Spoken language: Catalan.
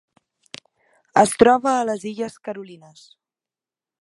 Es troba a les Illes Carolines.